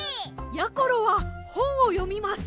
やころはほんをよみます。